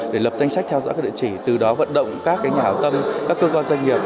để lập danh sách theo dõi các địa chỉ từ đó vận động các nhà hảo tâm các cơ quan doanh nghiệp